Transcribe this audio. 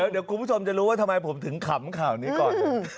เดี๋ยวคุณผู้ชมจะรู้ว่าทำไมผมถึงขำข่าวนี้ก่อน